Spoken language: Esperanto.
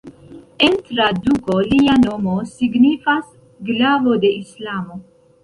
En traduko lia nomo signifas "glavo de Islamo".